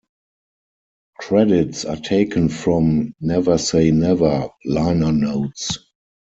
Credits are taken from "Never Say Never" liner notes.